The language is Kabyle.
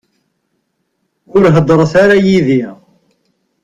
Ur heddṛet ara yid-i.